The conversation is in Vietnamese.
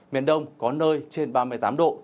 miền đông có nơi trên ba mươi tám độ